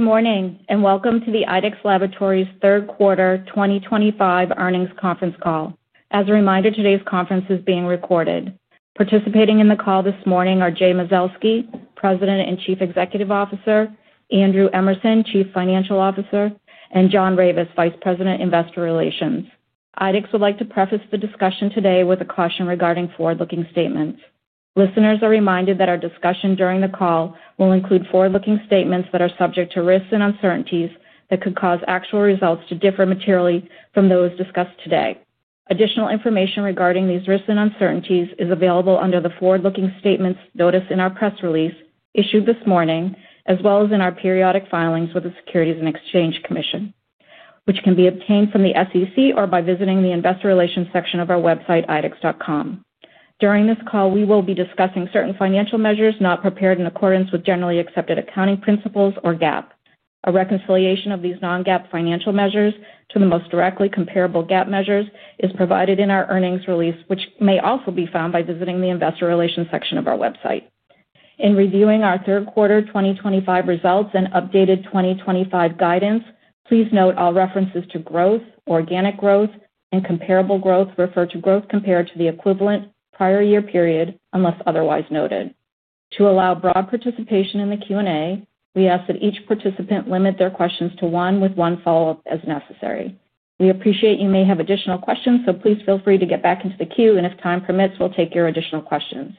Good morning and welcome to the IDEXX Laboratories Third Quarter 2025 Earnings Conference Call. As a reminder, today's conference is being recorded. Participating in the call this morning are Jay Mazelsky, President and Chief Executive Officer; Andrew Emerson, Chief Financial Officer; and John Ravis, Vice President, Investor Relations. IDEXX would like to preface the discussion today with a caution regarding forward-looking statements. Listeners are reminded that our discussion during the call will include forward-looking statements that are subject to risks and uncertainties that could cause actual results to differ materially from those discussed today. Additional information regarding these risks and uncertainties is available under the forward-looking statements notice in our press release issued this morning, as well as in our periodic filings with the Securities and Exchange Commission, which can be obtained from the SEC or by visiting the Investor Relations section of our website, idexx.com. During this call, we will be discussing certain financial measures not prepared in accordance with generally accepted accounting principles or GAAP. A reconciliation of these non-GAAP financial measures to the most directly comparable GAAP measures is provided in our earnings release, which may also be found by visiting the Investor Relations section of our website. In reviewing our third quarter 2025 results and updated 2025 guidance, please note all references to growth, organic growth, and comparable growth refer to growth compared to the equivalent prior year period unless otherwise noted. To allow broad participation in the Q&A, we ask that each participant limit their questions to one with one follow-up as necessary. We appreciate you may have additional questions, so please feel free to get back into the queue, and if time permits, we'll take your additional questions.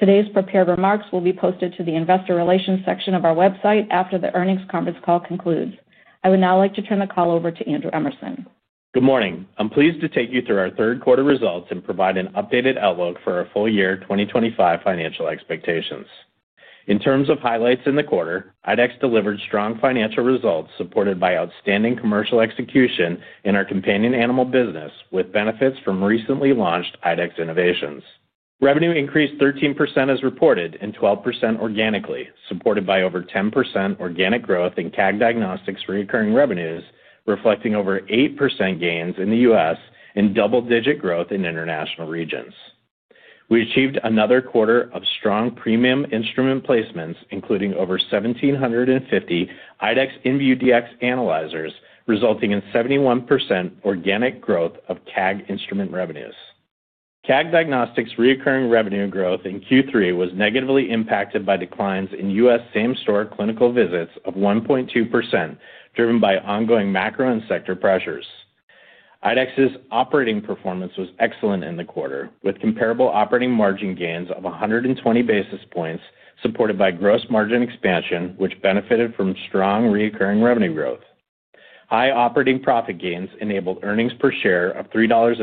Today's prepared remarks will be posted to the Investor Relations section of our website after the earnings conference call concludes. I would now like to turn the call over to Andrew Emerson. Good morning. I'm pleased to take you through our third quarter results and provide an updated outlook for our full year 2025 financial expectations. In terms of highlights in the quarter, IDEXX delivered strong financial results supported by outstanding commercial execution in our companion animal business, with benefits from recently launched IDEXX Innovations. Revenue increased 13% as reported and 12% organically, supported by over 10% organic growth in CAG Diagnostics' recurring revenues, reflecting over 8% gains in the U.S. and double-digit growth in international regions. We achieved another quarter of strong premium instrument placements, including over 1,750 IDEXX MUDX analyzers, resulting in 71% organic growth of CAG instrument revenFues. CAG Diagnostics' recurring revenue growth in Q3 was negatively impacted by declines in U.S. same-store clinical visits of 1.2%, driven by ongoing macro and sector pressures. IDEXX's operating performance was excellent in the quarter, with comparable operating margin gains of 120 basis points, supported by gross margin expansion, which benefited from strong recurring revenue growth. High operating profit gains enabled earnings per share of $3.40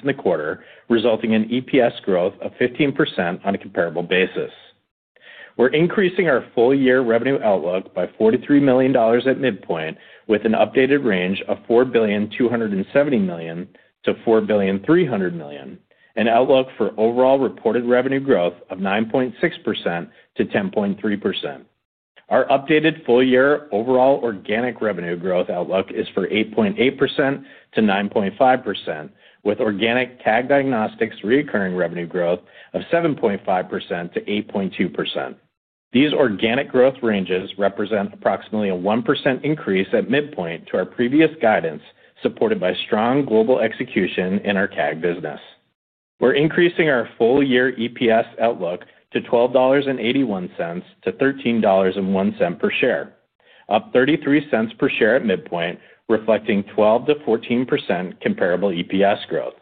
in the quarter, resulting in EPS growth of 15% on a comparable basis. We're increasing our full year revenue outlook by $43 million at midpoint, with an updated range of $4,270 million-$4,300 million, an outlook for overall reported revenue growth of 9.6%-10.3%. Our updated full year overall organic revenue growth outlook is for 8.8%-9.5%, with organic CAG Diagnostics' recurring revenue growth of 7.5%-8.2%. These organic growth ranges represent approximately a 1% increase at midpoint to our previous guidance, supported by strong global execution in our CAG business. We're increasing our full year EPS outlook to $12.81-$13.01 per share, up $0.33 per share at midpoint, reflecting 12%-14% comparable EPS growth.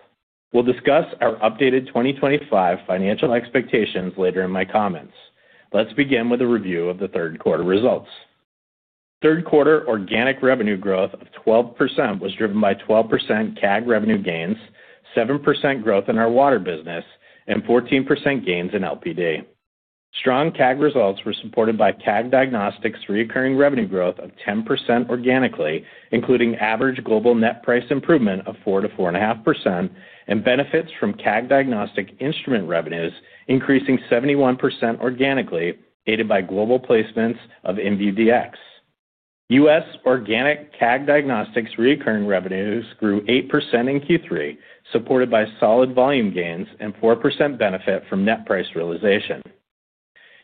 We'll discuss our updated 2025 financial expectations later in my comments. Let's begin with a review of the third quarter results. Third quarter organic revenue growth of 12% was driven by 12% CAG revenue gains, 7% growth in our water business, and 14% gains in LPD. Strong CAG results were supported by CAG Diagnostics' recurring revenue growth of 10% organically, including average global net price improvement of 4%-4.5%, and benefits from CAG Diagnostics' instrument revenues increasing 71% organically, aided by global placements of MUDX. U.S. organic CAG Diagnostics' recurring revenues grew 8% in Q3, supported by solid volume gains and 4% benefit from net price realization.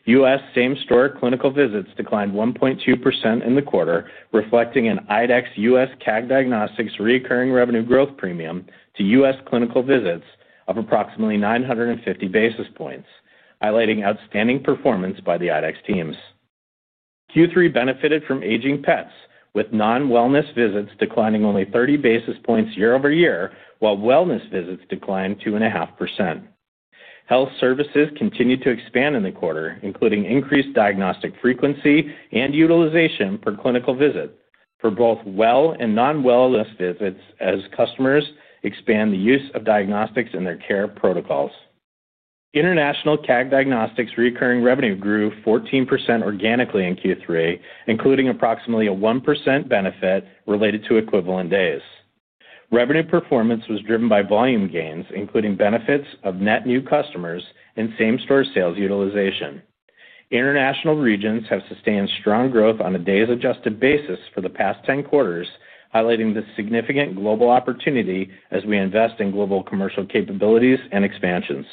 U.S. same-store clinical visits declined 1.2% in the quarter, reflecting an IDEXX U.S. CAG Diagnostics' recurring revenue growth premium to U.S. clinical visits of approximately 950 basis points, highlighting outstanding performance by the IDEXX teams. Q3 benefited from aging pets, with non-wellness visits declining only 30 basis points year over year, while wellness visits declined 2.5%. Health services continued to expand in the quarter, including increased diagnostic frequency and utilization per clinical visit for both well and non-wellness visits, as customers expand the use of diagnostics in their care protocols. International CAG Diagnostics' recurring revenue grew 14% organically in Q3, including approximately a 1% benefit related to equivalent days. Revenue performance was driven by volume gains, including benefits of net new customers and same-store sales utilization. International regions have sustained strong growth on a days-adjusted basis for the past 10 quarters, highlighting the significant global opportunity as we invest in global commercial capabilities and expansions.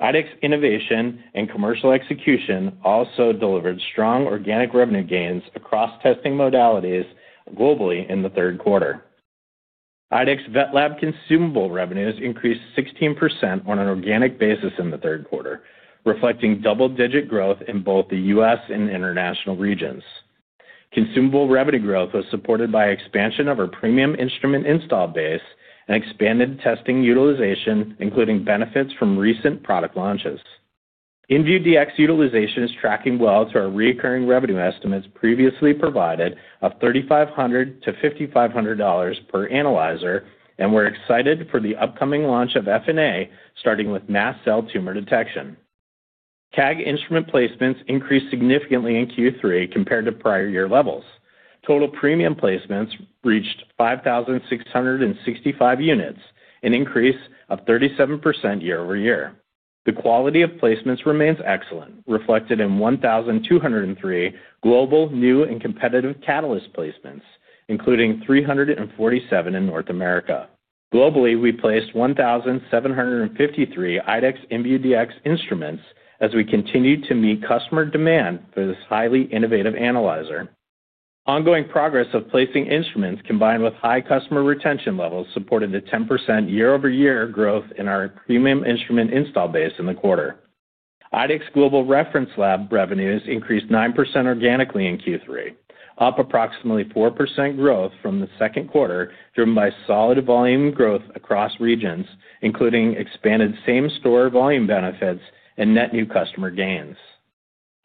IDEXX innovation and commercial execution also delivered strong organic revenue gains across testing modalities globally in the third quarter. IDEXX VetLab Consumables revenues increased 16% on an organic basis in the third quarter, reflecting double-digit growth in both the U.S. and international regions. Consumable revenue growth was supported by expansion of our premium instrument install base and expanded testing utilization, including benefits from recent product launches. MUDX utilization is tracking well to our recurring revenue estimates previously provided of $3,500-$5,500 per analyzer, and we're excited for the upcoming launch of FNA, starting with mass cell tumor detection. CAG instrument placements increased significantly in Q3 compared to prior year levels. Total premium placements reached 5,665 units, an increase of 37% year over year. The quality of placements remains excellent, reflected in 1,203 global new and competitive Catalyst placements, including 347 in North America. Globally, we placed 1,753 IDEXX MUDX instruments as we continue to meet customer demand for this highly innovative analyzer. Ongoing progress of placing instruments, combined with high customer retention levels, supported the 10% year-over-year growth in our premium instrument install base in the quarter. IDEXX Global Reference Lab revenues increased 9% organically in Q3, up approximately 4% growth from the second quarter, driven by solid volume growth across regions, including expanded same-store volume benefits and net new customer gains.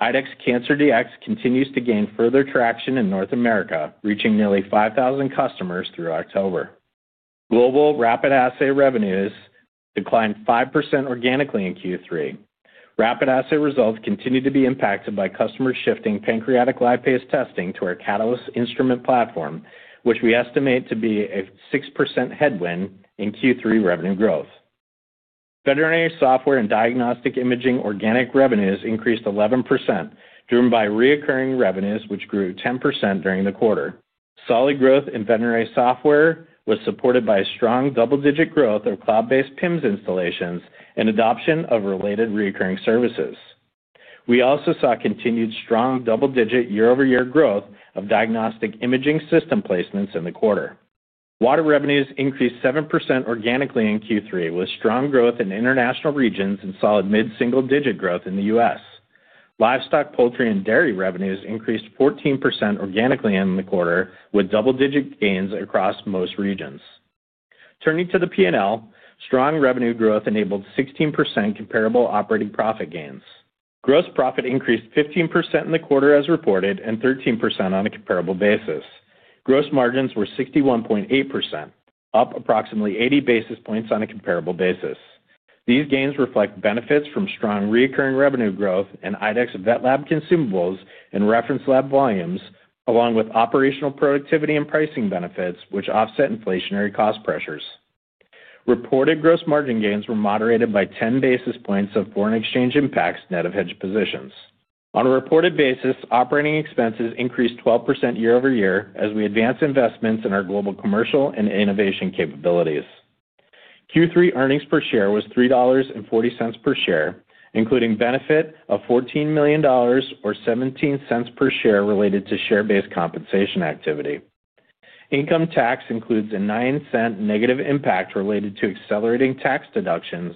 IDEXX CancerDx continues to gain further traction in North America, reaching nearly 5,000 customers through October. Global Rapid Assay revenues declined 5% organically in Q3. Rapid Assay results continue to be impacted by customers shifting pancreatic lipase testing to our Catalyst instrument platform, which we estimate to be a 6% headwind in Q3 revenue growth. Veterinary software and diagnostic imaging organic revenues increased 11%, driven by recurring revenues, which grew 10% during the quarter. Solid growth in veterinary software was supported by strong double-digit growth of cloud-based PIMS installations and adoption of related recurring services. We also saw continued strong double-digit year-over-year growth of diagnostic imaging system placements in the quarter. Water revenues increased 7% organically in Q3, with strong growth in international regions and solid mid-single-digit growth in the U.S. Livestock, poultry, and dairy revenues increased 14% organically in the quarter, with double-digit gains across most regions. Turning to the P&L, strong revenue growth enabled 16% comparable operating profit gains. Gross profit increased 15% in the quarter, as reported, and 13% on a comparable basis. Gross margins were 61.8%, up approximately 80 basis points on a comparable basis. These gains reflect benefits from strong recurring revenue growth and IDEXX VetLab Consumables and reference lab volumes, along with operational productivity and pricing benefits, which offset inflationary cost pressures. Reported gross margin gains were moderated by 10 basis points of foreign exchange impacts net of hedge positions. On a reported basis, operating expenses increased 12% year-over-year as we advance investments in our global commercial and innovation capabilities. Q3 earnings per share was $3.40 per share, including benefit of $14 million, or $0.17 per share, related to share-based compensation activity. Income tax includes a $0.09 negative impact related to accelerating tax deductions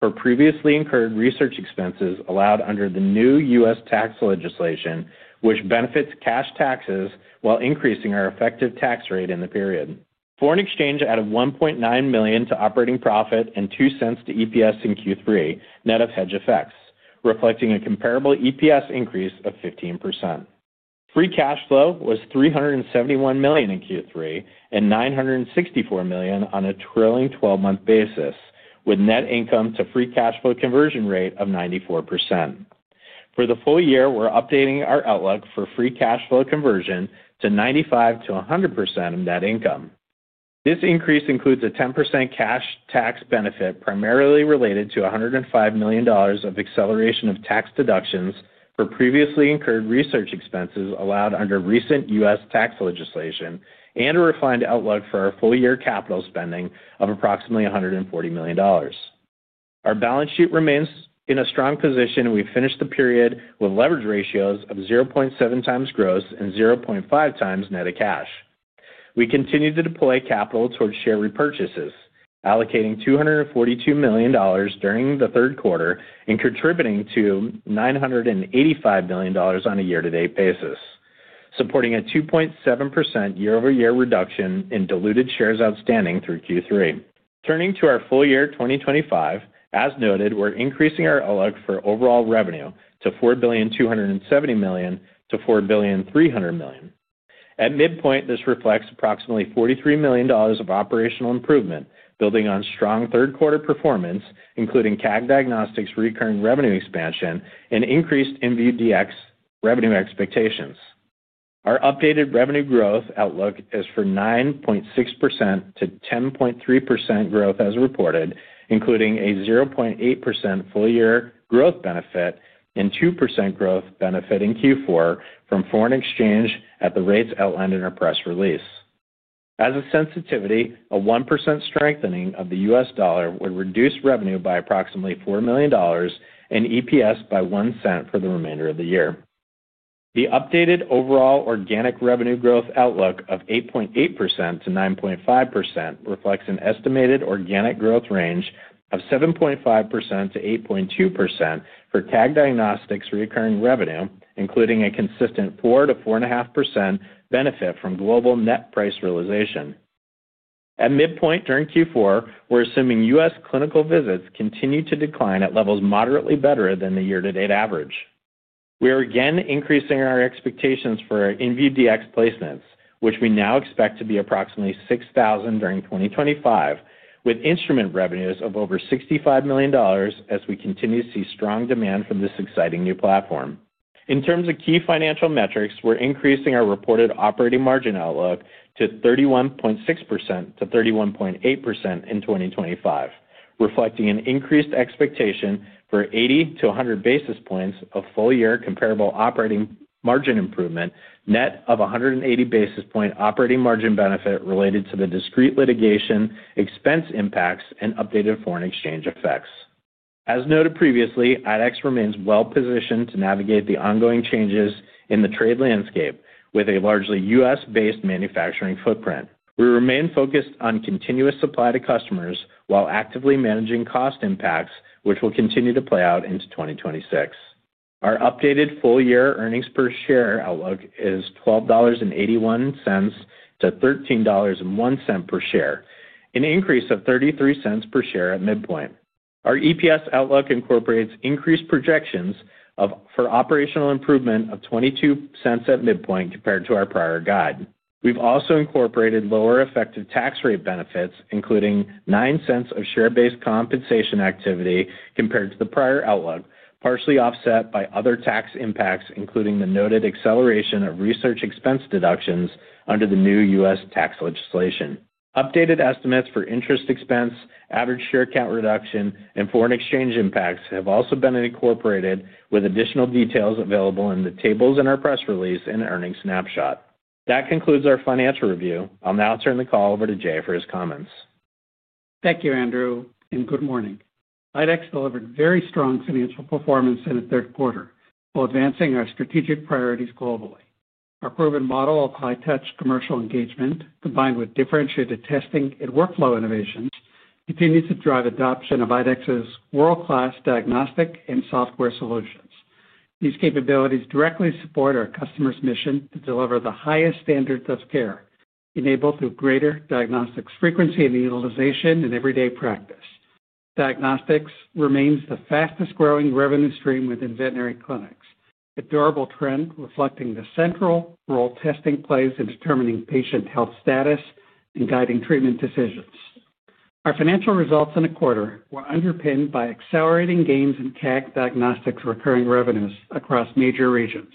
for previously incurred research expenses allowed under the new U.S. tax legislation, which benefits cash taxes while increasing our effective tax rate in the period. Foreign exchange added $1.9 million to operating profit and $0.02 to EPS in Q3, net of hedge effects, reflecting a comparable EPS increase of 15%. Free cash flow was $371 million in Q3 and $964 million on a trailing 12-month basis, with net income to free cash flow conversion rate of 94%. For the full year, we're updating our outlook for free cash flow conversion to 95%-100% of net income. This increase includes a 10% cash tax benefit primarily related to $105 million of acceleration of tax deductions for previously incurred research expenses allowed under recent U.S. tax legislation, and a refined outlook for our full-year capital spending of approximately $140 million. Our balance sheet remains in a strong position. We finished the period with leverage ratios of 0.7 times gross and 0.5 times net of cash. We continue to deploy capital towards share repurchases, allocating $242 million during the third quarter and contributing to $985 million on a year-to-date basis, supporting a 2.7% year-over-year reduction in diluted shares outstanding through Q3. Turning to our full year 2025, as noted, we're increasing our outlook for overall revenue to $4,270 million-$4,300 million. At midpoint, this reflects approximately $43 million of operational improvement, building on strong third-quarter performance, including CAG Diagnostics' recurring revenue expansion and increased MUDX revenue expectations. Our updated revenue growth outlook is for 9.6%-10.3% growth as reported, including a 0.8% full-year growth benefit and 2% growth benefit in Q4 from foreign exchange at the rates outlined in our press release. As a sensitivity, a 1% strengthening of the U.S. dollar would reduce revenue by approximately $4 million and EPS by $0.01 for the remainder of the year. The updated overall organic revenue growth outlook of 8.8%-9.5% reflects an estimated organic growth range of 7.5%-8.2% for CAG Diagnostics' recurring revenue, including a consistent 4%-4.5% benefit from global net price realization. At midpoint during Q4, we're assuming U.S. clinical visits continue to decline at levels moderately better than the year-to-date average. We are again increasing our expectations for our MUDX placements, which we now expect to be approximately 6,000 during 2025, with instrument revenues of over $65 million as we continue to see strong demand for this exciting new platform. In terms ofkey financial metrics, we're increasing our reported operating margin outlook to 31.6%-31.8% in 2025, reflecting an increased expectation for 80-100 basis points of full-year comparable operating margin improvement, net of 180 basis point operating margin benefit related to the discrete litigation expense impacts and updated foreign exchange effects. As noted previously, IDEXX remains well-positioned to navigate the ongoing changes in the trade landscape with a largely U.S.-based manufacturing footprint. We remain focused on continuous supply to customers while actively managing cost impacts, which will continue to play out into 2026. Our updated full-year earnings per share outlook is $12.81-$13.01 per share, an increase of $0.33 per share at midpoint. Our EPS outlook incorporates increased projections for operational improvement of $0.22 at midpoint compared to our prior guide. We've also incorporated lower effective tax rate benefits, including $0.09 of share-based compensation activity compared to the prior outlook, partially offset by other tax impacts, including the noted acceleration of research expense deductions under the new U.S. tax legislation. Updated estimates for interest expense, average share count reduction, and foreign exchange impacts have also been incorporated, with additional details available in the tables in our press release and earnings snapshot. That concludes our financial review. I'll now turn the call over to Jay for his comments. Thank you, Andrew, and good morning. IDEXX delivered very strong financial performance in the third quarter, while advancing our strategic priorities globally. Our proven model of high-touch commercial engagement, combined with differentiated testing and workflow innovations, continues to drive adoption of IDEXX's world-class diagnostic and software solutions. These capabilities directly support our customers' mission to deliver the highest standards of care, enabled through greater diagnostics frequency and utilization in everyday practice. Diagnostics remains the fastest-growing revenue stream within veterinary clinics, a durable trend reflecting the central role testing plays in determining patient health status and guiding treatment decisions. Our financial results in the quarter were underpinned by accelerating gains in CAG Diagnostics' recurring revenues across major regions.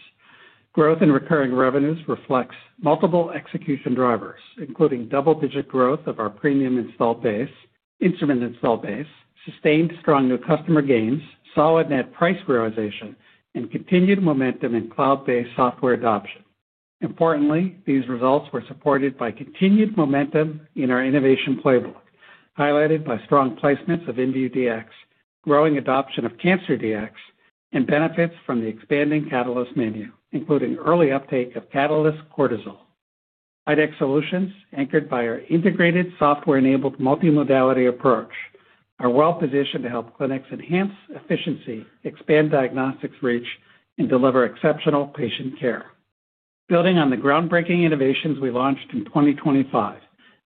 Growth in recurring revenues reflects multiple execution drivers, including double-digit growth of our premium install base, instrument install base, sustained strong new customer gains, solid net price realization, and continued momentum in cloud-based software adoption. Importantly, these results were supported by continued momentum in our innovation playbook, highlighted by strong placements of MUDX, growing adoption of CancerDx, and benefits from the expanding Catalyst menu, including early uptake of Catalyst Cortisol. IDEXX Solutions, anchored by our integrated software-enabled multi-modality approach, are well-positioned to help clinics enhance efficiency, expand diagnostics reach, and deliver exceptional patient care. Building on the groundbreaking innovations we launched in 2025,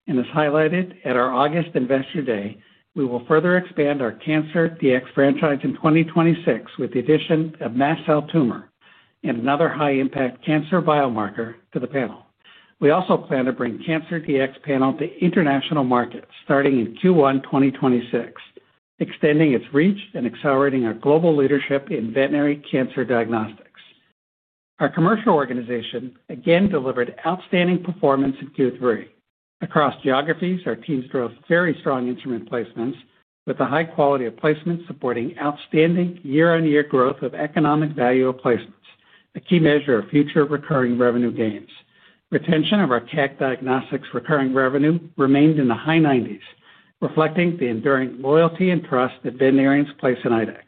and as highlighted at our August Investor Day, we will further expand our CancerDx franchise in 2026 with the addition of mass cell tumor and another high-impact cancer biomarker to the panel. We also plan to bring CancerDx panel to international markets starting in Q1 2026, extending its reach and accelerating our global leadership in veterinary cancer diagnostics. Our commercial organization again delivered outstanding performance in Q3. Across geographies, our teams drove very strong instrument placements, with the high quality of placements supporting outstanding year-on-year growth of economic value of placements, a key measure of future recurring revenue gains. Retention of our CAG Diagnostics' recurring revenue remained in the high 90s, reflecting the enduring loyalty and trust that veterinarians place in IDEXX.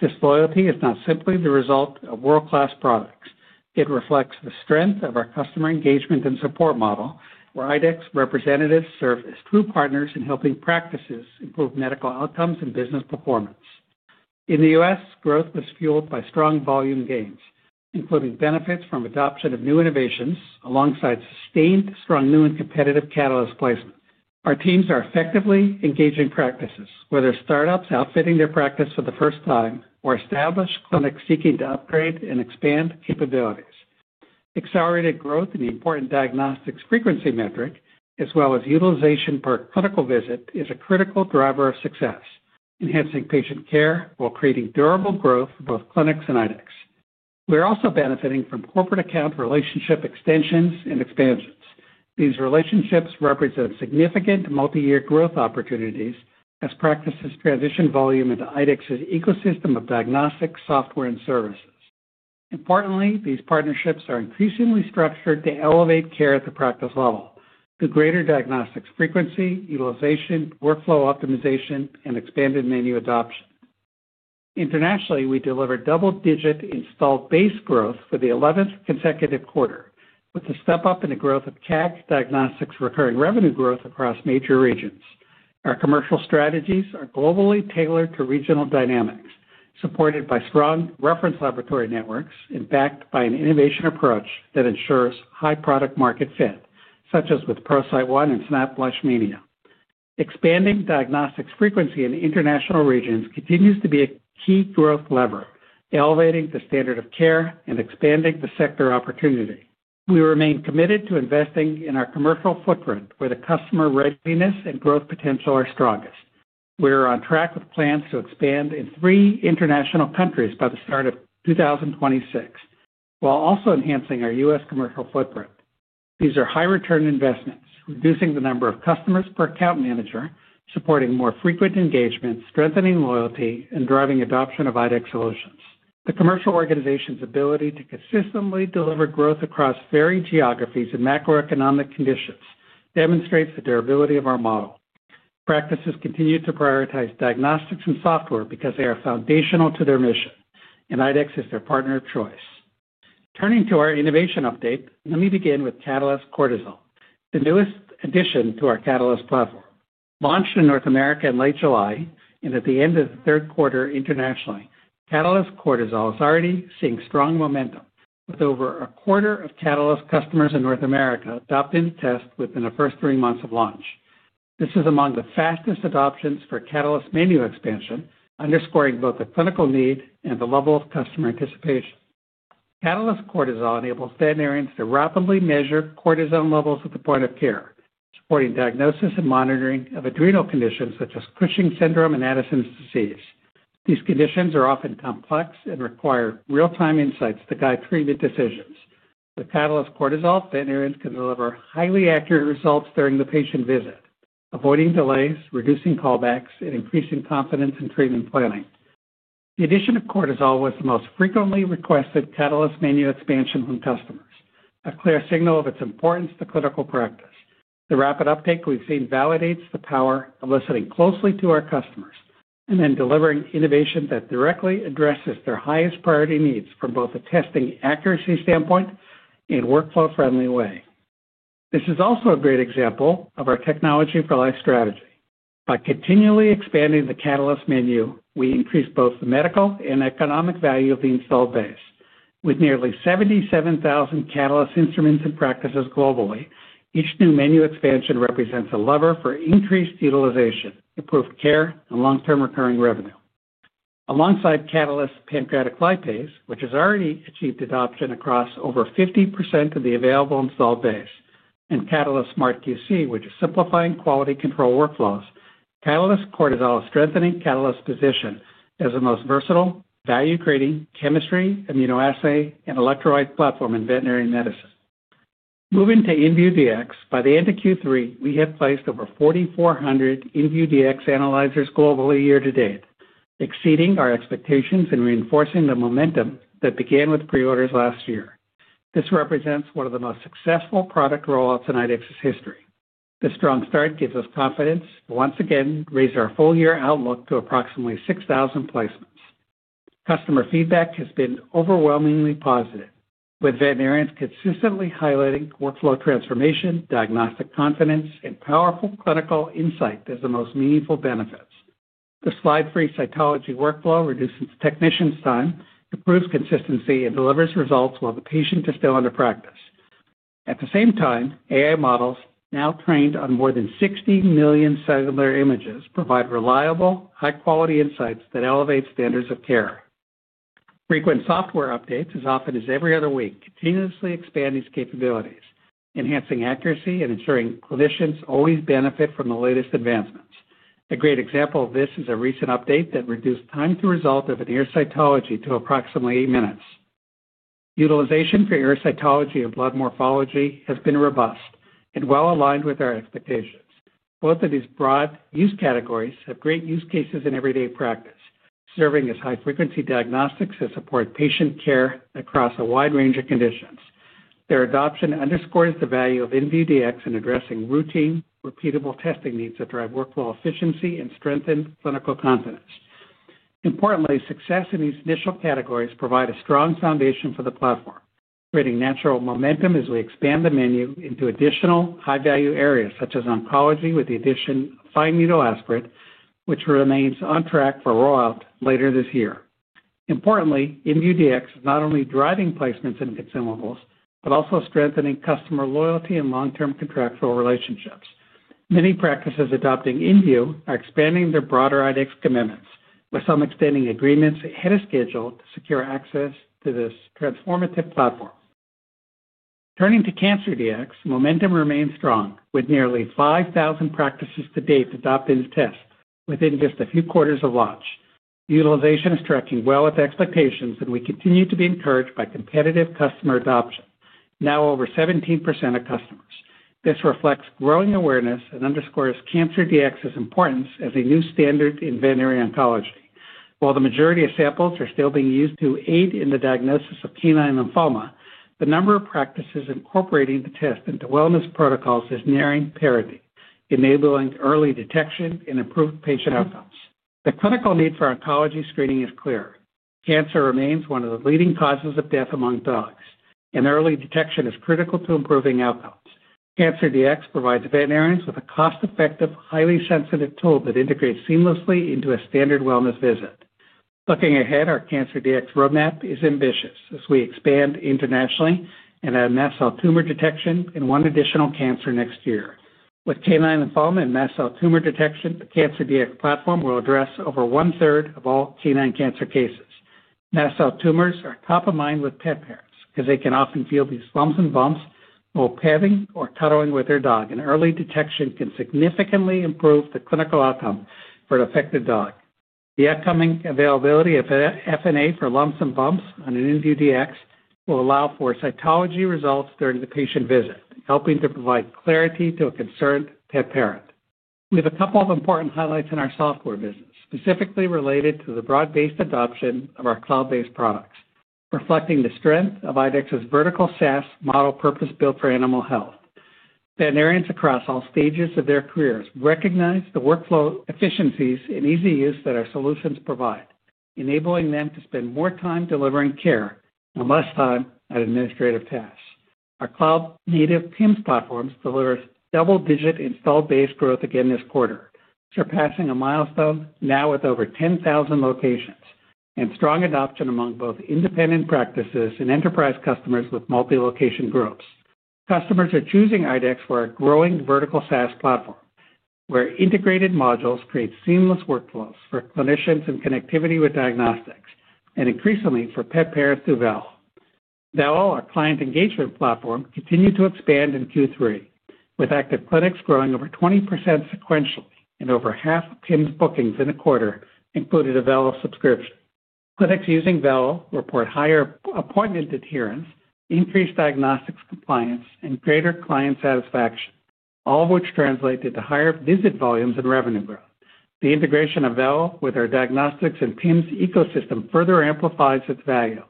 This loyalty is not simply the result of world-class products. It reflects the strength of our customer engagement and support model, where IDEXX representatives serve as true partners in helping practices improve medical outcomes and business performance. In the U.S., growth was fueled by strong volume gains, including benefits from adoption of new innovations alongside sustained strong new and competitive Catalyst placement. Our teams are effectively engaging practices, whether startups outfitting their practice for the first time or established clinics seeking to upgrade and expand capabilities. Accelerated growth in the important diagnostics frequency metric, as well as utilization per clinical visit, is a critical driver of success, enhancing patient care while creating durable growth for both clinics and IDEXX. We're also benefiting from corporate account relationship extensions and expansions. These relationships represent significant multi-year growth opportunities as practices transition volume into IDEXX's ecosystem of diagnostics, software, and services. Importantly, these partnerships are increasingly structured to elevate care at the practice level through greater diagnostics frequency, utilization, workflow optimization, and expanded menu adoption. Internationally, we deliver double-digit install base growth for the 11th consecutive quarter, with a step-up in the growth of CAG Diagnostics' recurring revenue growth across major regions. Our commercial strategies are globally tailored to regional dynamics, supported by strong reference laboratory networks and backed by an innovation approach that ensures high product-market fit, such as with ProSite One and SnapFlesh Media. Expanding diagnostics frequency in international regions continues to be a key growth lever, elevating the standard of care and expanding the sector opportunity. We remain committed to investing in our commercial footprint, where the customer readiness and growth potential are strongest. We are on track with plans to expand in three international countries by the start of 2026, while also enhancing our U.S. commercial footprint. These are high-return investments, reducing the number of customers per account manager, supporting more frequent engagement, strengthening loyalty, and driving adoption of IDEXX Solutions. The commercial organization's ability to consistently deliver growth across varied geographies and macroeconomic conditions demonstrates the durability of our model. Practices continue to prioritize diagnostics and software because they are foundational to their mission, and IDEXX is their partner of choice. Turning to our innovation update, let me begin with Catalyst Cortisol, the newest addition to our Catalyst platform. Launched in North America in late July and at the end of the third quarter internationally, Catalyst Cortisol is already seeing strong momentum, with over a quarter of Catalyst customers in North America adopting tests within the first three months of launch. This is among the fastest adoptions for Catalyst menu expansion, underscoring both the clinical need and the level of customer anticipation. Catalyst Cortisol enables veterinarians to rapidly measure cortisone levels at the point of care, supporting diagnosis and monitoring of adrenal conditions such as Cushing's syndrome and Addison's disease. These conditions are often complex and require real-time insights to guide treatment decisions. With Catalyst Cortisol, veterinarians can deliver highly accurate results during the patient visit, avoiding delays, reducing callbacks, and increasing confidence in treatment planning. The addition of Cortisol was the most frequently requested Catalyst menu expansion from customers, a clear signal of its importance to clinical practice. The rapid uptake we've seen validates the power of listening closely to our customers and then delivering innovation that directly addresses their highest priority needs from both a testing accuracy standpoint and workflow-friendly way. This is also a great example of our technology for life strategy. By continually expanding the Catalyst menu, we increase both the medical and economic value of the install base. With nearly 77,000 Catalyst instruments and practices globally, each new menu expansion represents a lever for increased utilization, improved care, and long-term recurring revenue. Alongside Catalyst Pancreatic Lipase, which has already achieved adoption across over 50% of the available install base, and Catalyst Smart QC, which is simplifying quality control workflows, Catalyst Cortisol is strengthening Catalyst's position as the most versatile, value-creating chemistry, amino acid, and electrolyte platform in veterinary medicine. Moving to MUDX, by the end of Q3, we had placed over 4,400 MUDX analyzers globally year-to-date, exceeding our expectations and reinforcing the momentum that began with preorders last year. This represents one of the most successful product rollouts in IDEXX's history. The strong start gives us confidence to once again raise our full-year outlook to approximately 6,000 placements. Customer feedback has been overwhelmingly positive, with veterinarians consistently highlighting workflow transformation, diagnostic confidence, and powerful clinical insight as the most meaningful benefits. The slide-free cytology workflow reduces technicians' time, improves consistency, and delivers results while the patient is still under practice. At the same time, AI models now trained on more than 60 million cellular images provide reliable, high-quality insights that elevate standards of care. Frequent software updates, as often as every other week, continuously expand these capabilities, enhancing accuracy and ensuring clinicians always benefit from the latest advancements. A great example of this is a recent update that reduced time-to-result of an ear cytology to approximately eight minutes. Utilization for ear cytology and blood morphology has been robust and well-aligned with our expectations. Both of these broad use categories have great use cases in everyday practice, serving as high-frequency diagnostics that support patient care across a wide range of conditions. Their adoption underscores the value of MUDX in addressing routine, repeatable testing needs that drive workflow efficiency and strengthen clinical confidence. Importantly, success in these initial categories provides a strong foundation for the platform, creating natural momentum as we expand the menu into additional high-value areas such as oncology with the addition of fine needle aspirate, which remains on track for rollout later this year. Importantly, MUDX is not only driving placements and consumables but also strengthening customer loyalty and long-term contractual relationships. Many practices adopting MUDX are expanding their broader IDEXX commitments, with some extending agreements ahead of schedule to secure access to this transformative platform. Turning to CancerDx, momentum remains strong, with nearly 5,000 practices to date adopting tests within just a few quarters of launch. Utilization is tracking well with expectations, and we continue to be encouraged by competitive customer adoption, now over 17% of customers. This reflects growing awareness and underscores CancerDx's importance as a new standard in veterinary oncology. While the majority of samples are still being used to aid in the diagnosis of canine lymphoma, the number of practices incorporating the test into wellness protocols is nearing parity, enabling early detection and improved patient outcomes. The clinical need for oncology screening is clear. Cancer remains one of the leading causes of death among dogs, and early detection is critical to improving outcomes. CancerDx provides veterinarians with a cost-effective, highly sensitive tool that integrates seamlessly into a standard wellness visit. Looking ahead, our CancerDx roadmap is ambitious as we expand internationally and add mass cell tumor detection and one additional cancer next year. With canine lymphoma and mass cell tumor detection, the CancerDx platform will address over one-third of all canine cancer cases. Mass cell tumors are top of mind with pet parents because they can often feel these lumps and bumps while petting or cuddling with their dog, and early detection can significantly improve the clinical outcome for an affected dog. The upcoming availability of FNA for lumps and bumps on an MUDX will allow for cytology results during the patient visit, helping to provide clarity to a concerned pet parent. We have a couple of important highlights in our software business, specifically related to the broad-based adoption of our cloud-based products, reflecting the strength of IDEXX's vertical SaaS model purpose-built for animal health. Veterinarians across all stages of their careers recognize the workflow efficiencies and easy use that our solutions provide, enabling them to spend more time delivering care and less time on administrative tasks. Our cloud-native PIMS platforms deliver double-digit install-based growth again this quarter, surpassing a milestone now with over 10,000 locations and strong adoption among both independent practices and enterprise customers with multi-location groups. Customers are choosing IDEXX for our growing vertical SaaS platform, where integrated modules create seamless workflows for clinicians and connectivity with diagnostics, and increasingly for pet parents through VELO. VELO, our client engagement platform, continued to expand in Q3, with active clinics growing over 20% sequentially and over half of PIMS bookings in the quarter included a VELO subscription. Clinics using VELO report higher appointment adherence, increased diagnostics compliance, and greater client satisfaction, all of which translate into higher visit volumes and revenue growth. The integration of VELO with our diagnostics and PIMS ecosystem further amplifies its value,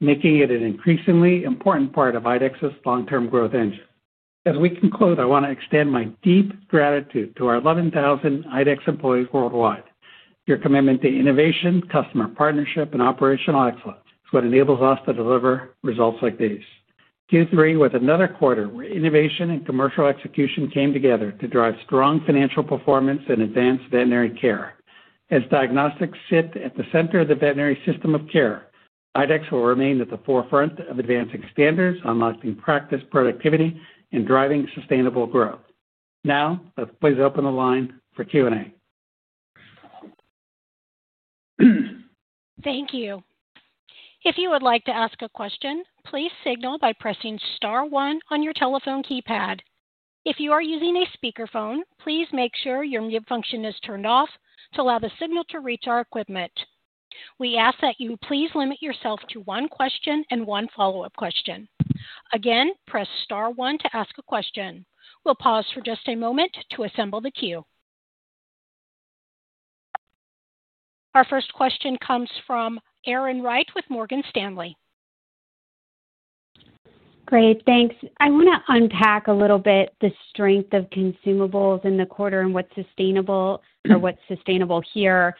making it an increasingly important part of IDEXX's long-term growth engine. As we conclude, I want to extend my deep gratitude to our 11,000 IDEXX employees worldwide. Your commitment to innovation, customer partnership, and operational excellence is what enables us to deliver results like these. Q3 was another quarter where innovation and commercial execution came together to drive strong financial performance and advanced veterinary care. As diagnostics sit at the center of the veterinary system of care, IDEXX will remain at the forefront of advancing standards, unlocking practice productivity, and driving sustainable growth. Now, please open the line for Q&A. Thank you. If you would like to ask a question, please signal by pressing Star 1 on your telephone keypad. If you are using a speakerphone, please make sure your mute function is turned off to allow the signal to reach our equipment. We ask that you please limit yourself to one question and one follow-up question. Again, press Star 1 to ask a question. We'll pause for just a moment to assemble the queue. Our first question comes from Erin Wright with Morgan Stanley. Great. Thanks. I want to unpack a little bit the strength of consumables in the quarter and what's sustainable or what's sustainable here.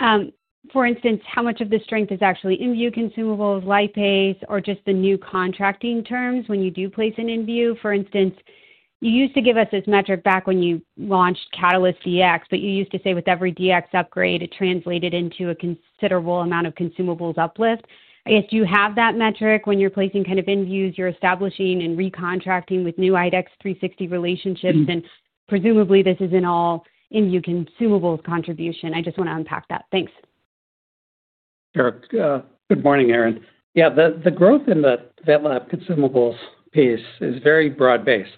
For instance, how much of the strength is actually MU consumables, lipase, or just the new contracting terms when you do place an MU? For instance, you used to give us this metric back when you launched Catalyst DX, but you used to say with every DX upgrade, it translated into a considerable amount of consumables uplift. I guess, do you have that metric when you're placing kind of MUs you're establishing and recontracting with new IDEXX 360 relationships? And presumably, this isn't all MU consumables contribution. I just want to unpack that. Thanks. Sure. Good morning, Erin. Yeah, the growth in the VetLab consumables piece is very broad-based.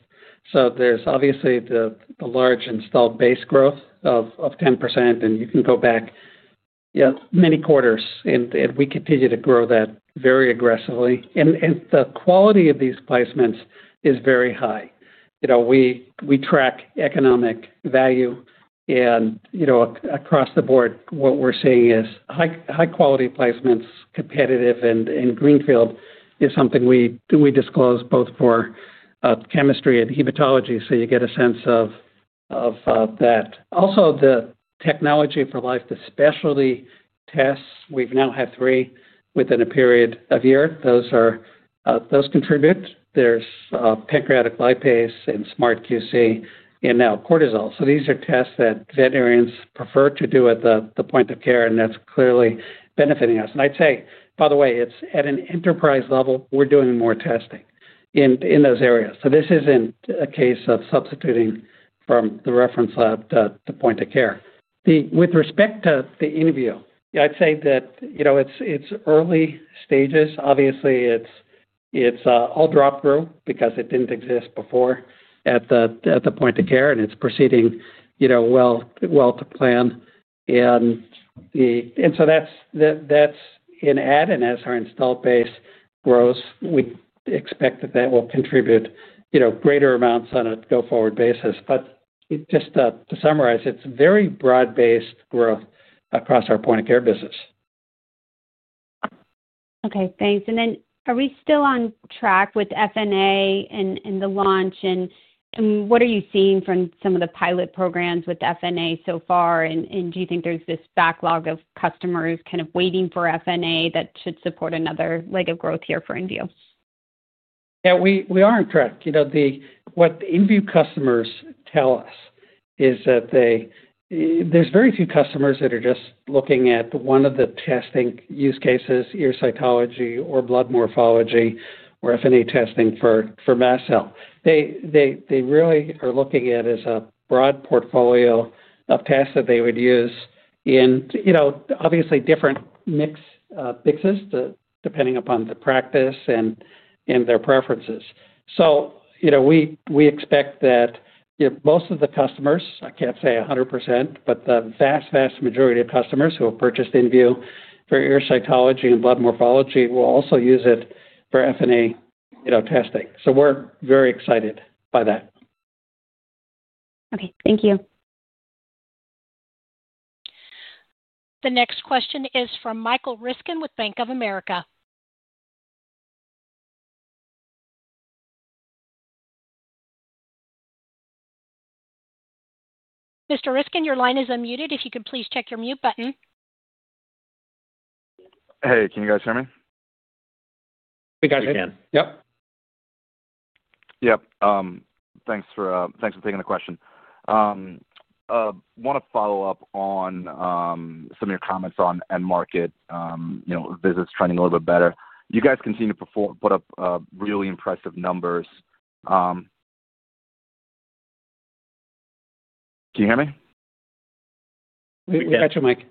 So there's obviously the large install base growth of 10%, and you can go back many quarters, and we continue to grow that very aggressively. And the quality of these placements is very high. We track economic value, and across the board, what we're seeing is high-quality placements, competitive, and greenfield is something we disclose both for chemistry and hematology, so you get a sense of that. Also, the technology for life, the specialty tests, we've now had three within a period of year. Those. Contribute. There's pancreatic lipase and Smart QC and now cortisol. These are tests that veterinarians prefer to do at the point of care, and that's clearly benefiting us. I'd say, by the way, it's at an enterprise level we're doing more testing in those areas. This isn't a case of substituting from the reference lab to point of care. With respect to the MU, I'd say that it's early stages. Obviously, it's all dropped through because it didn't exist before at the point of care, and it's proceeding well to plan. That's an add, and as our install base grows, we expect that will contribute greater amounts on a go-forward basis. Just to summarize, it's very broad-based growth across our point of care business. Okay. Thanks. Are we still on track with FNA and the launch? What are you seeing from some of the pilot programs with FNA so far? Do you think there's this backlog of customers kind of waiting for FNA that should support another leg of growth here for MU? Yeah, we are on track. What MU customers tell us is that there's very few customers that are just looking at one of the testing use cases, ear cytology or blood morphology or FNA testing for mass cell. They really are looking at it as a broad portfolio of tests that they would use in, obviously, different mixes depending upon the practice and their preferences. We expect that most of the customers—I can't say 100%—but the vast, vast majority of customers who have purchased MU for ear cytology and blood morphology will also use it for FNA testing. We're very excited by that. Okay. Thank you. The next question is from Michael Riskin with Bank of America. Mr. Riskin, your line is unmuted. If you could please check your mute button. Hey, can you guys hear me? We got you. Yep. Yep. Thanks for taking the question. I want to follow up on some of your comments on end market. Visits trending a little bit better. You guys continue to put up really impressive numbers. Can you hear me? We got you, Mike.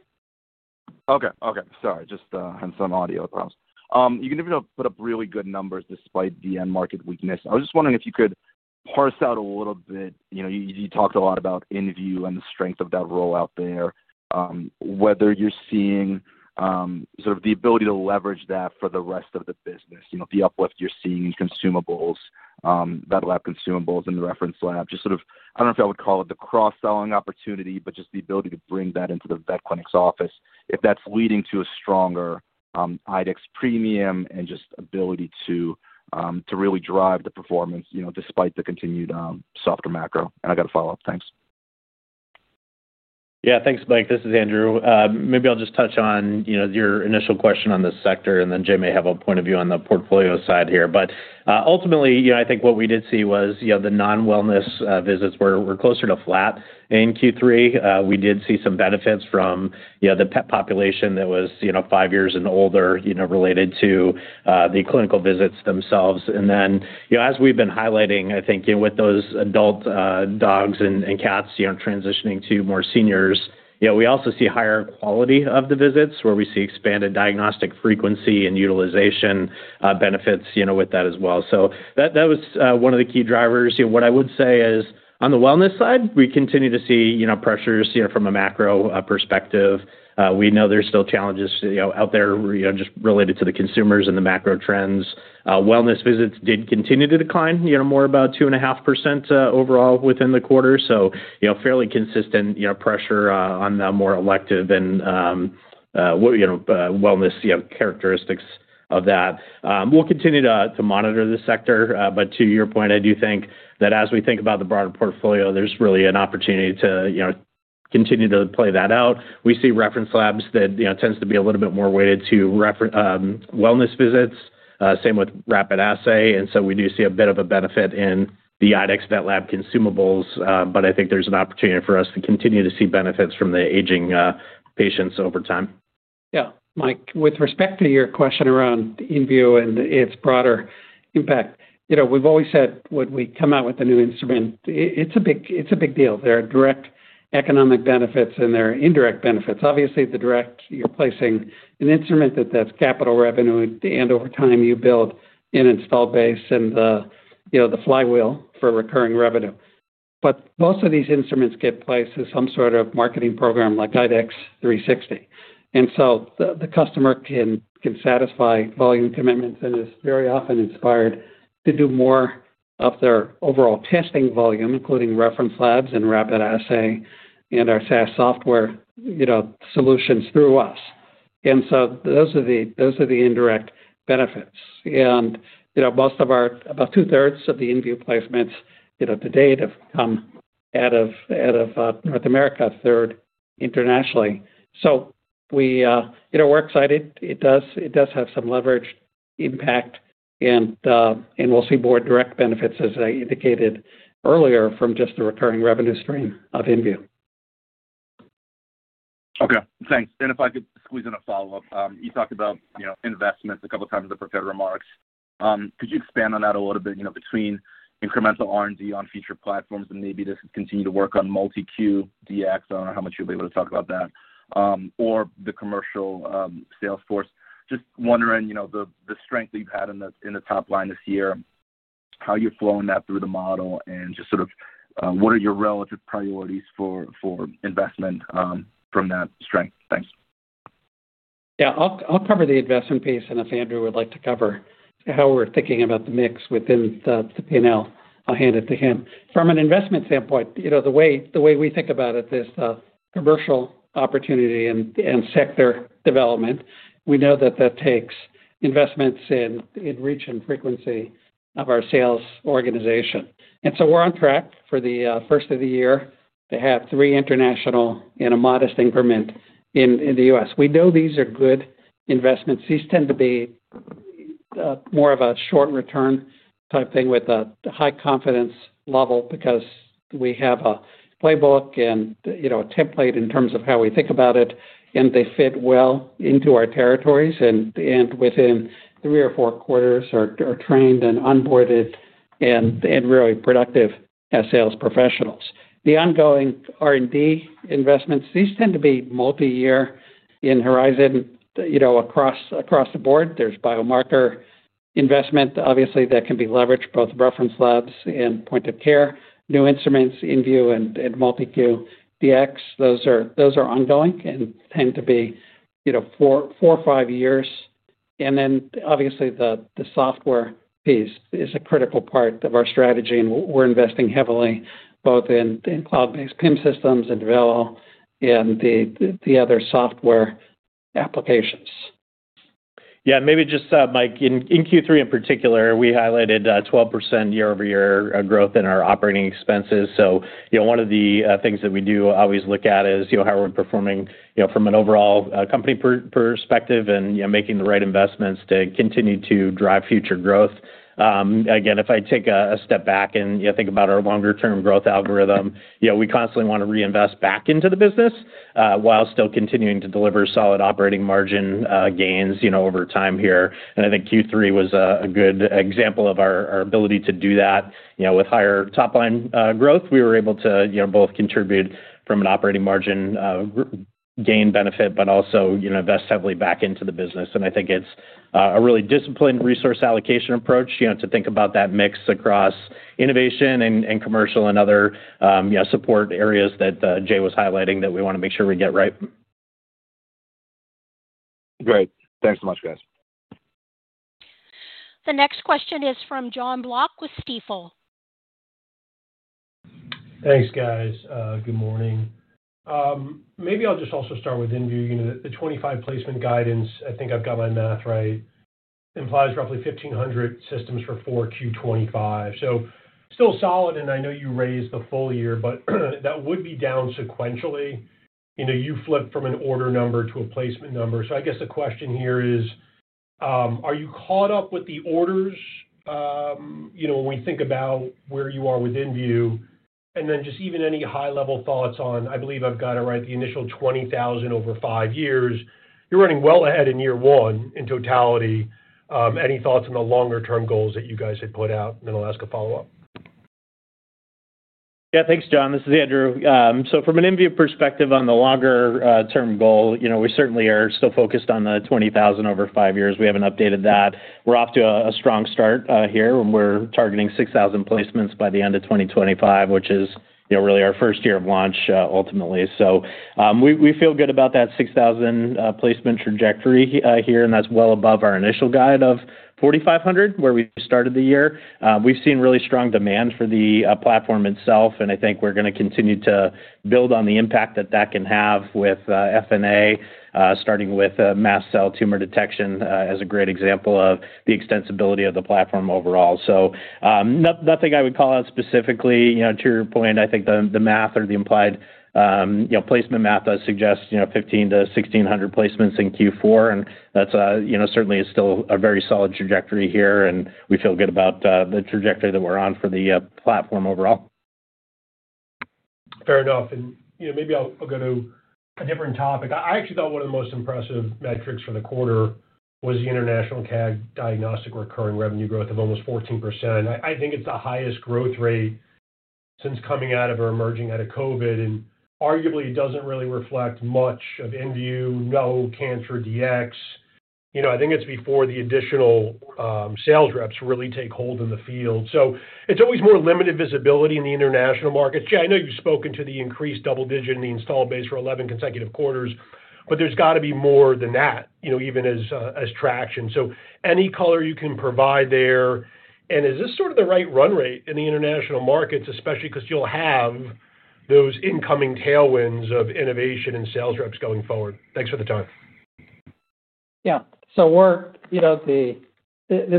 Okay. Okay. Sorry. Just having some audio problems. You can definitely put up really good numbers despite the end market weakness. I was just wondering if you could parse out a little bit—you talked a lot about MU and the strength of that rollout there—whether you're seeing sort of the ability to leverage that for the rest of the business, the uplift you're seeing in consumables, VetLab consumables in the reference lab. Just sort of—I don't know if I would call it the cross-selling opportunity—but just the ability to bring that into the vet clinic's office, if that's leading to a stronger IDEXX premium and just ability to really drive the performance despite the continued softer macro. I got a follow-up. Thanks. Yeah. Thanks, Mike. This is Andrew. Maybe I'll just touch on your initial question on the sector, and then Jay may have a point of view on the portfolio side here. Ultimately, I think what we did see was the non-wellness visits were closer to flat in Q3. We did see some benefits from the pet population that was five years and older related to the clinical visits themselves. As we've been highlighting, I think with those adult dogs and cats transitioning to more seniors, we also see higher quality of the visits where we see expanded diagnostic frequency and utilization benefits with that as well. That was one of the key drivers. What I would say is, on the wellness side, we continue to see pressures from a macro perspective. We know there's still challenges out there just related to the consumers and the macro trends. Wellness visits did continue to decline, more about 2.5% overall within the quarter, so fairly consistent pressure on the more elective and wellness characteristics of that. We'll continue to monitor the sector. To your point, I do think that as we think about the broader portfolio, there's really an opportunity to continue to play that out. We see reference labs that tend to be a little bit more weighted to wellness visits, same with rapid assay. We do see a bit of a benefit in the IDEXX VetLab Consumables. I think there's an opportunity for us to continue to see benefits from the aging patients over time. Yeah. Mike, with respect to your question around MU and its broader impact, we've always said when we come out with a new instrument, it's a big deal. There are direct economic benefits and there are indirect benefits. Obviously, the direct, you're placing an instrument that has capital revenue, and over time, you build an install base and the flywheel for recurring revenue. Most of these instruments get placed as some sort of marketing program like IDEXX 360. The customer can satisfy volume commitments and is very often inspired to do more of their overall testing volume, including reference labs and rapid assay and our SaaS software solutions through us. Those are the indirect benefits. About two-thirds of the MU placements to date have come out of North America, a third internationally. We're excited. It does have some leverage impact, and we'll see more direct benefits, as I indicated earlier, from just the recurring revenue stream of MU. Okay. Thanks. If I could squeeze in a follow-up, you talked about investments a couple of times with the prepared remarks. Could you expand on that a little bit between incremental R&D on feature platforms and maybe just continue to work on multi-queue DX? I don't know how much you'll be able to talk about that or the commercial sales force. Just wondering, the strength that you've had in the top line this year, how you're flowing that through the model, and just sort of what are your relative priorities for investment from that strength? Thanks. Yeah. I'll cover the investment piece, and if Andrew would like to cover how we're thinking about the mix within the panel, I'll hand it to him. From an investment standpoint, the way we think about it is the commercial opportunity and sector development. We know that that takes investments in reach and frequency of our sales organization. And so we're on track for the first of the year to have three international and a modest increment in the U.S. We know these are good investments. These tend to be more of a short-return type thing with a high confidence level because we have a playbook and a template in terms of how we think about it, and they fit well into our territories and within three or four quarters are trained and onboarded and really productive as sales professionals. The ongoing R&D investments, these tend to be multi-year in horizon across the board. There's biomarker investment, obviously, that can be leveraged, both reference labs and point of care, new instruments, MU, and multi-queue DX. Those are ongoing and tend to be four or five years. And then, obviously, the software piece is a critical part of our strategy, and we're investing heavily both in cloud-based PIMS systems and development and the other software applications. Yeah. And maybe just, Mike, in Q3 in particular, we highlighted 12% year-over-year growth in our operating expenses. So one of the things that we do always look at is how we're performing from an overall company perspective and making the right investments to continue to drive future growth. Again, if I take a step back and think about our longer-term growth algorithm, we constantly want to reinvest back into the business. While still continuing to deliver solid operating margin gains over time here. I think Q3 was a good example of our ability to do that. With higher top-line growth, we were able to both contribute from an operating margin gain benefit, but also invest heavily back into the business. I think it's a really disciplined resource allocation approach to think about that mix across innovation and commercial and other support areas that Jay was highlighting that we want to make sure we get right. Great. Thanks so much, guys. The next question is from John Block with Stifel. Thanks, guys. Good morning. Maybe I'll just also start with MU. The 25 placement guidance, I think I've got my math right, implies roughly 1,500 systems for four Q25. So still solid, and I know you raised the full year, but that would be down sequentially. You flip from an order number to a placement number. So I guess the question here is, are you caught up with the orders. When we think about where you are with MU? And then just even any high-level thoughts on, I believe I've got it right, the initial 20,000 over five years, you're running well ahead in year one in totality. Any thoughts on the longer-term goals that you guys had put out? And then I'll ask a follow-up. Yeah. Thanks, John. This is Andrew. So from an MU perspective on the longer-term goal, we certainly are still focused on the 20,000 over five years. We haven't updated that. We're off to a strong start here when we're targeting 6,000 placements by the end of 2025, which is really our first year of launch ultimately. We feel good about that 6,000 placement trajectory here, and that's well above our initial guide of 4,500 where we started the year. We've seen really strong demand for the platform itself, and I think we're going to continue to build on the impact that that can have with FNA, starting with mass cell tumor detection as a great example of the extensibility of the platform overall. Nothing I would call out specifically. To your point, I think the math or the implied placement math does suggest 1,500-1,600 placements in Q4, and that certainly is still a very solid trajectory here. We feel good about the trajectory that we're on for the platform overall. Fair enough. Maybe I'll go to a different topic. I actually thought one of the most impressive metrics for the quarter was the international CAG diagnostic recurring revenue growth of almost 14%. I think it's the highest growth rate since coming out of or emerging out of COVID. Arguably, it doesn't really reflect much of MU, no CancerDx. I think it's before the additional sales reps really take hold in the field. It's always more limited visibility in the international markets. Jay, I know you've spoken to the increased double-digit in the install base for 11 consecutive quarters, but there's got to be more than that, even as traction. Any color you can provide there? Is this sort of the right run rate in the international markets, especially because you'll have those incoming tailwinds of innovation and sales reps going forward? Thanks for the time. Yeah. There's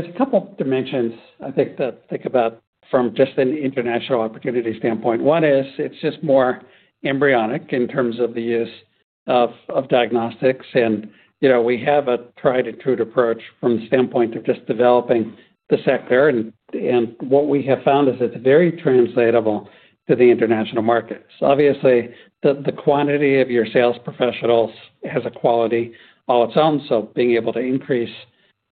a couple of dimensions I think to think about from just an international opportunity standpoint. One is it's just more embryonic in terms of the use of diagnostics. We have a tried-and-true approach from the standpoint of just developing the sector. What we have found is it's very translatable to the international markets. Obviously, the quantity of your sales professionals has a quality all its own. Being able to increase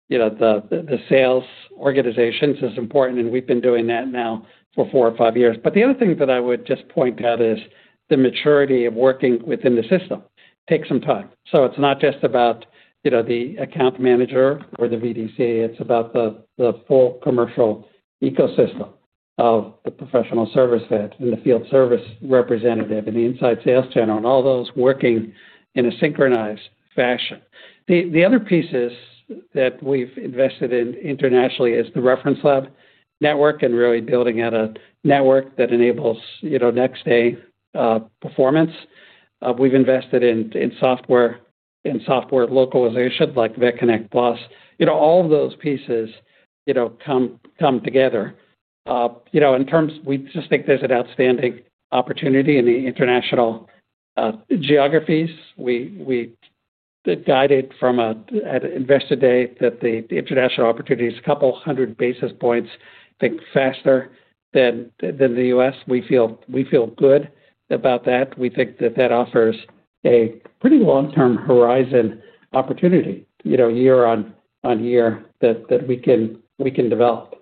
the sales organizations is important, and we've been doing that now for four or five years. The other thing that I would just point out is the maturity of working within the system takes some time. It's not just about. The account manager or the VDC. It's about the full commercial ecosystem of the professional service vet and the field service representative and the inside sales channel and all those working in a synchronized fashion. The other pieces that we've invested in internationally is the reference lab network and really building out a network that enables next-day performance. We've invested in software and software localization like VetConnect Plus. All of those pieces come together. In terms of we just think there's an outstanding opportunity in the international geographies. We guided from an investor date that the international opportunity is a couple hundred basis points, I think, faster than the U.S. We feel good about that. We think that that offers a pretty long-term horizon opportunity year on year that we can develop.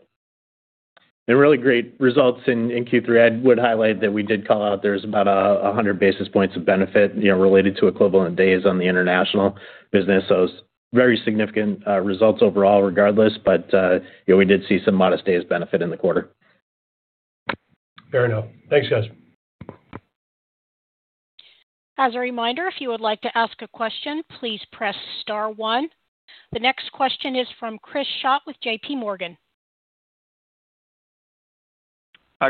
And really great results in Q3. I would highlight that we did call out there's about 100 basis points of benefit related to equivalent days on the international business. So very significant results overall, regardless. But we did see some modest days benefit in the quarter. Fair enough. Thanks, guys. As a reminder, if you would like to ask a question, please press star one. The next question is from Chris Schott with JP Morgan.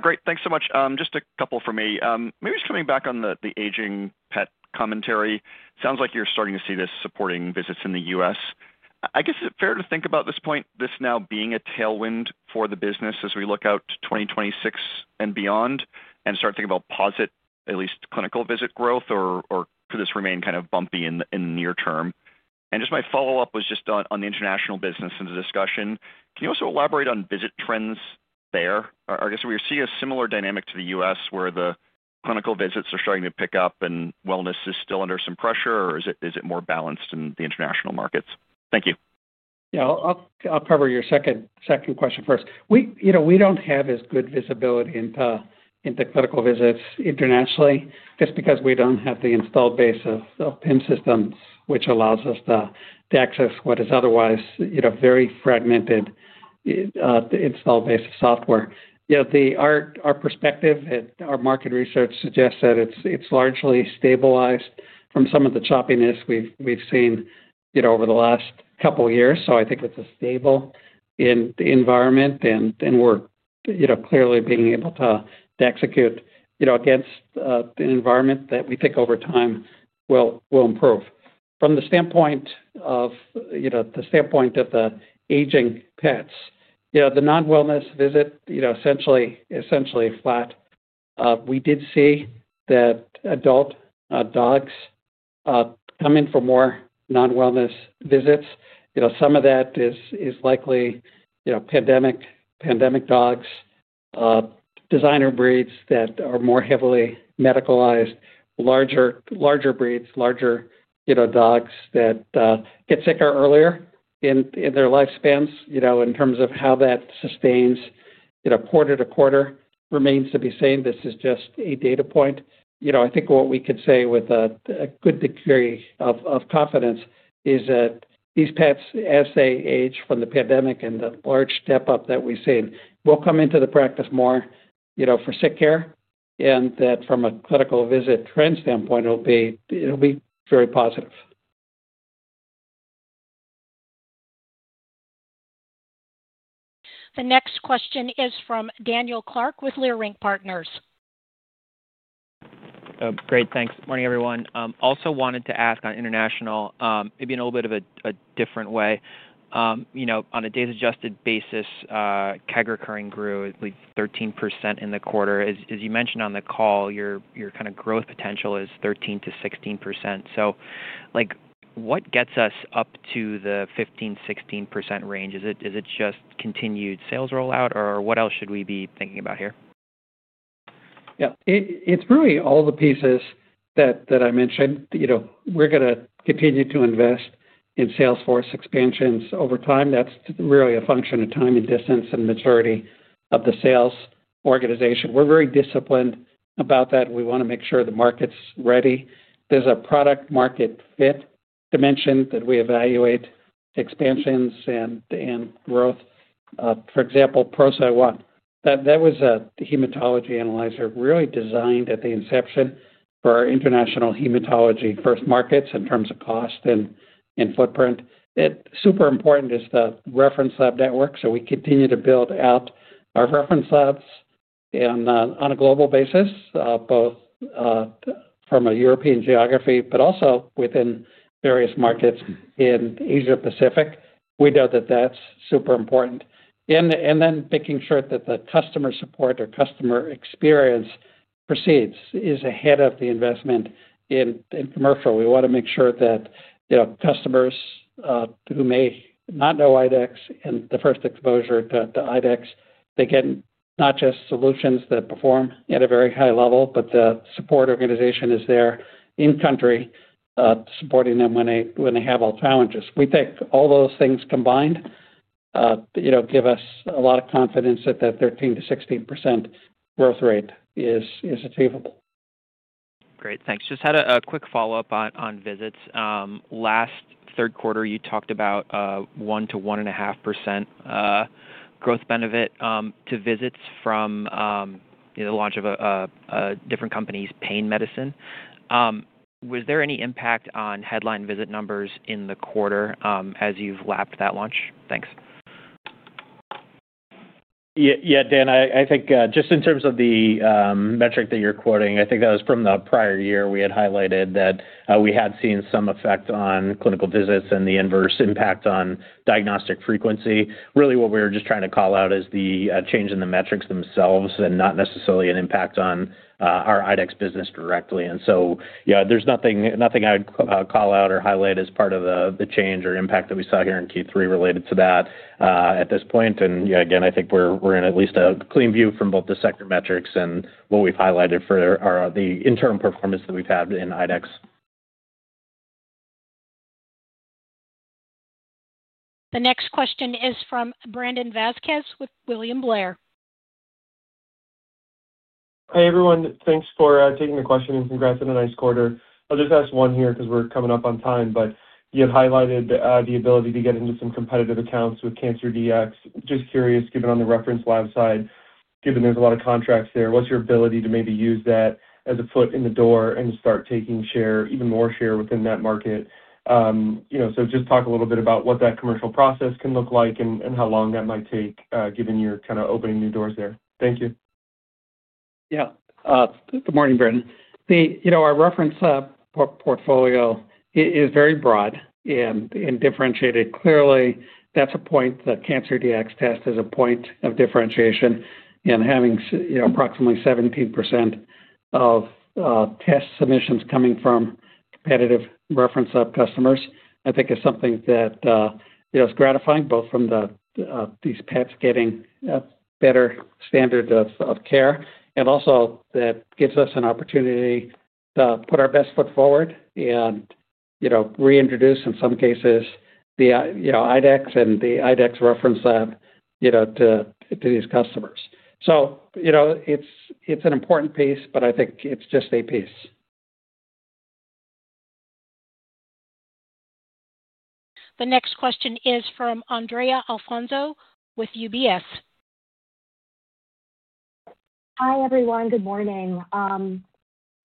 Great. Thanks so much. Just a couple for me. Maybe just coming back on the aging pet commentary. Sounds like you're starting to see this supporting visits in the U.S. I guess is it fair to think about this point, this now being a tailwind for the business as we look out to 2026 and beyond and start to think about positive at least clinical visit growth, or could this remain kind of bumpy in the near term? And just my follow-up was just on the international business and the discussion. Can you also elaborate on visit trends there? I guess we see a similar dynamic to the U.S. where the clinical visits are starting to pick up and wellness is still under some pressure, or is it more balanced in the international markets? Thank you. Yeah. I'll cover your second question first. We don't have as good visibility into clinical visits internationally just because we don't have the installed base of PIM systems, which allows us to access what is otherwise very fragmented installed base of software. Our perspective and our market research suggests that it's largely stabilized from some of the choppiness we've seen over the last couple of years. I think it's a stable environment, and we're clearly being able to execute against an environment that we think over time will improve. From the standpoint of the aging pets, the non-wellness visit essentially flat. We did see that adult dogs come in for more non-wellness visits. Some of that is likely pandemic dogs, designer breeds that are more heavily medicalized, larger breeds, larger dogs that get sicker earlier in their lifespans. In terms of how that sustains quarter to quarter remains to be seen. This is just a data point. I think what we can say with a good degree of confidence is that these pets, as they age from the pandemic and the large step-up that we've seen, will come into the practice more for sick care. That from a clinical visit trend standpoint, it will be very positive. The next question is from Daniel Clark with Leerink Partners. Great. Thanks. Morning, everyone. Also wanted to ask on international, maybe in a little bit of a different way. On a days-adjusted basis, CAG recurring grew, I believe, 13% in the quarter. As you mentioned on the call, your kind of growth potential is 13%-16%. What gets us up to the 15%-16% range? Is it just continued sales rollout, or what else should we be thinking about here? Yeah. It's really all the pieces that I mentioned. We're going to continue to invest in Salesforce expansions over time. That's really a function of time and distance and maturity of the sales organization. We're very disciplined about that. We want to make sure the market's ready. There's a product-market fit dimension that we evaluate expansions and growth. For example, ProSite One, that was a hematology analyzer really designed at the inception for our international hematology-first markets in terms of cost and footprint. Super important is the reference lab network. We continue to build out our reference labs on a global basis, both from a European geography, but also within various markets in Asia-Pacific. We know that that's super important. Making sure that the customer support or customer experience proceeds is ahead of the investment in commercial. We want to make sure that customers who may not know IDEXX and the first exposure to IDEXX, they get not just solutions that perform at a very high level, but the support organization is there in-country, supporting them when they have all challenges. We think all those things combined give us a lot of confidence that that 13%-16% growth rate is achievable. Great. Thanks. Just had a quick follow-up on visits. Last third quarter, you talked about a 1%-1.5% growth benefit to visits from the launch of a different company's pain medicine. Was there any impact on headline visit numbers in the quarter as you've lapped that launch? Thanks. Yeah, Dan, I think just in terms of the metric that you're quoting, I think that was from the prior year. We had highlighted that we had seen some effect on clinical visits and the inverse impact on diagnostic frequency. Really, what we were just trying to call out is the change in the metrics themselves and not necessarily an impact on our IDEXX business directly. There is nothing I would call out or highlight as part of the change or impact that we saw here in Q3 related to that at this point. I think we're in at least a clean view from both the sector metrics and what we've highlighted for the interim performance that we've had in IDEXX. The next question is from Brandon Vazquez with William Blair. Hey, everyone. Thanks for taking the question and congrats on a nice quarter. I'll just ask one here because we're coming up on time, but you had highlighted the ability to get into some competitive accounts with CancerDx. Just curious, given on the reference lab side, given there's a lot of contracts there, what's your ability to maybe use that as a foot in the door and start taking share, even more share within that market? Just talk a little bit about what that commercial process can look like and how long that might take, given you're kind of opening new doors there. Thank you. Good morning, Brandon. Our reference portfolio is very broad and differentiated. Clearly, that's a point. The CancerDx test is a point of differentiation. Having approximately 17% of test submissions coming from competitive reference lab customers, I think, is something that is gratifying, both from these pets getting better standard of care, and also that gives us an opportunity to put our best foot forward and reintroduce, in some cases, the IDEXX and the IDEXX reference lab to these customers. It's an important piece, but I think it's just a piece. The next question is from Andrea Alfonso with UBS. Hi, everyone. Good morning. I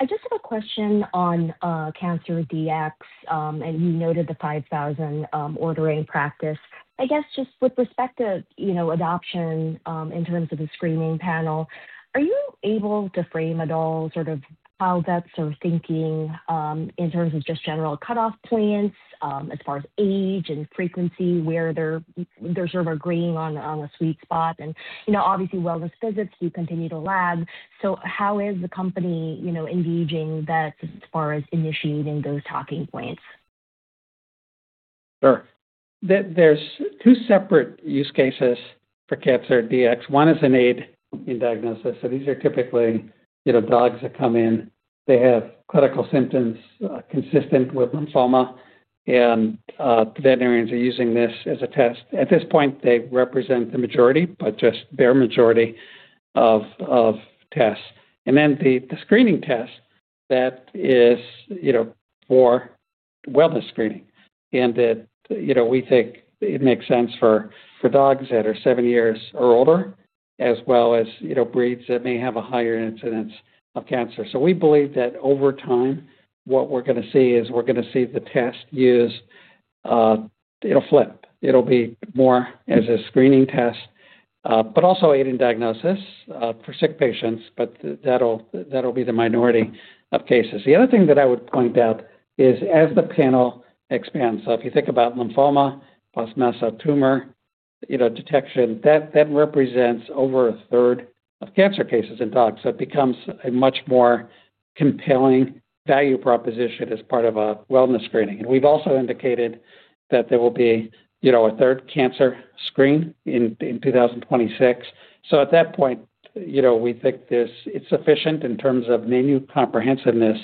just have a question on CancerDx, and you noted the 5,000 ordering practice. I guess just with respect to adoption in terms of the screening panel, are you able to frame at all sort of how vets are thinking in terms of just general cutoff points as far as age and frequency, where they're sort of agreeing on a sweet spot? Obviously, wellness visits, you continue to lag. How is the company engaging vets as far as initiating those talking points? Sure. There's two separate use cases for CancerDx. One is an aid in diagnosis. These are typically dogs that come in. They have clinical symptoms consistent with lymphoma, and veterinarians are using this as a test. At this point, they represent the majority, but just bare majority of tests. Then the screening test that is for wellness screening. We think it makes sense for dogs that are seven years or older, as well as breeds that may have a higher incidence of cancer. We believe that over time, what we're going to see is we're going to see the test used flip. It'll be more as a screening test, but also aid in diagnosis for sick patients, but that'll be the minority of cases. The other thing that I would point out is as the panel expands. If you think about lymphoma plus mass of tumor detection, that represents over a third of cancer cases in dogs. It becomes a much more compelling value proposition as part of a wellness screening. We've also indicated that there will be a third cancer screen in 2026. At that point, we think it's sufficient in terms of menu comprehensiveness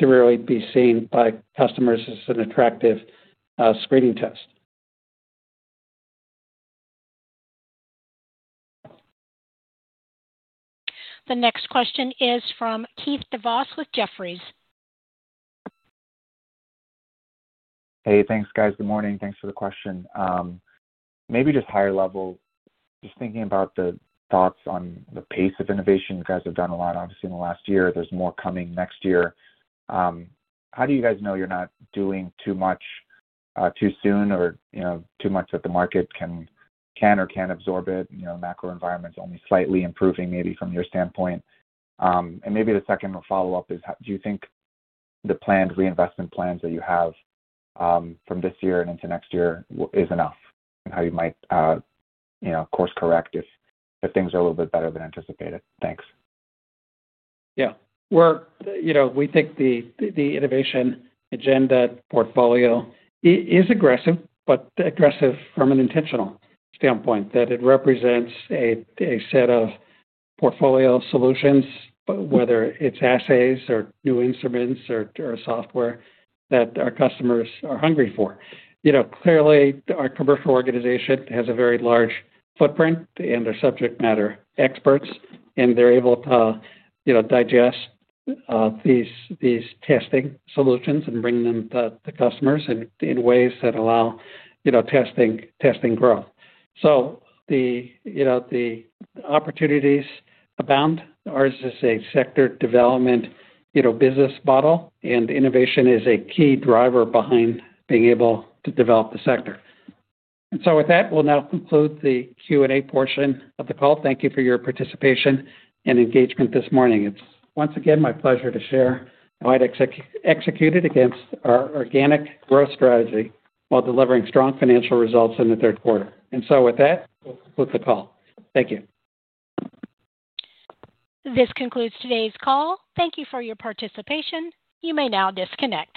to really be seen by customers as an attractive screening test. The next question is from Keith Davos with Jefferies. Hey, thanks, guys. Good morning. Thanks for the question. Maybe just higher level, just thinking about the thoughts on the pace of innovation. You guys have done a lot, obviously, in the last year. There's more coming next year. How do you guys know you're not doing too much too soon or too much that the market can or can't absorb? Macro environment's only slightly improving, maybe from your standpoint. Maybe the second follow-up is, do you think the planned reinvestment plans that you have from this year and into next year is enough? How you might course correct if things are a little bit better than anticipated? Thanks. Yeah. We think the innovation agenda portfolio is aggressive, but aggressive from an intentional standpoint that it represents a set of portfolio solutions, whether it's assays or new instruments or software that our customers are hungry for. Clearly, our commercial organization has a very large footprint, and they're subject matter experts, and they're able to digest these testing solutions and bring them to customers in ways that allow testing growth. The opportunities abound. Ours is a sector development business model, and innovation is a key driver behind being able to develop the sector. With that, we'll now conclude the Q&A portion of the call. Thank you for your participation and engagement this morning. It's once again my pleasure to share how IDEXX executed against our organic growth strategy while delivering strong financial results in the third quarter. With that, we'll conclude the call. Thank you. This concludes today's call. Thank you for your participation. You may now disconnect.